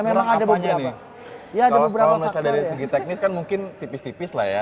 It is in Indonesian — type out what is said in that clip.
memang ada beberapa ya ada beberapa kalau saya dari segi teknis kan mungkin tipis tipis lah ya